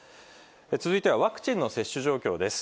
続いてはワクチンの接種状況です。